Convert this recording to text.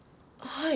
はい。